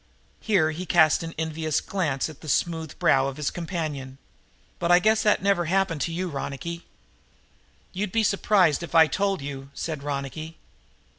Here he cast an envious glance at the smooth brow of his companion. "But I guess that never happened to you, Ronicky?" "You'd be surprised if I told you," said Ronicky.